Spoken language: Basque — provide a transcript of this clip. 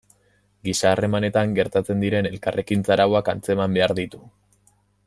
Giza harremanetan gertatzen diren elkarrekintza arauak antzeman behar ditu.